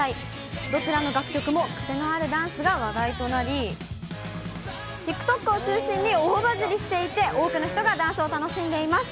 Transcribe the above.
どちらの楽曲も癖のあるダンスが話題となり、ＴｉｋＴｏｋを中心に大バズりしていて、多くの人がダンスを楽しんでいます。